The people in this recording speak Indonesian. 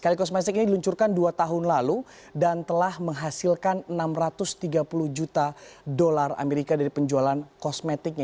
klikosmetik ini diluncurkan dua tahun lalu dan telah menghasilkan enam ratus tiga puluh juta dolar amerika dari penjualan kosmetiknya